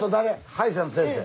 歯医者の先生。